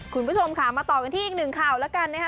คุณผู้ชมค่ะมาต่อกันที่อีกหนึ่งข่าวแล้วกันนะคะ